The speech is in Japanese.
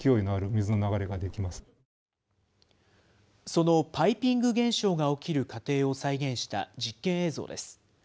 そのパイピング現象が起きる過程を再現した実験映像です。